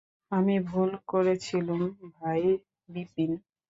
আমি ভুল করেছিলুম ভাই বিপিন!